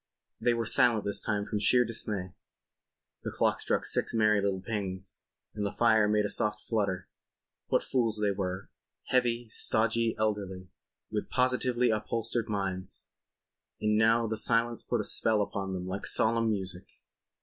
They were silent this time from sheer dismay. The clock struck six merry little pings and the fire made a soft flutter. What fools they were—heavy, stodgy, elderly—with positively upholstered minds. And now the silence put a spell upon them like solemn music.